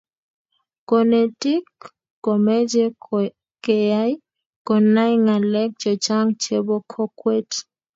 konetik komeche keyay konai ngalek chechang chebo kokwet